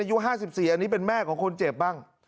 อายุ๕๔อันนี้เป็นแม่ของคนเจ็บบ้าง